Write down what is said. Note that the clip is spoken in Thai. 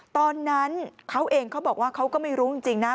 ตอนนั้นเขาเองเขาบอกว่าเขาก็ไม่รู้จริงนะ